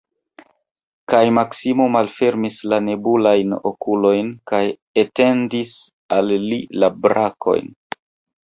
Kaj Maksimo malfermis la nebulajn okulojn kaj etendis al li la brakojn.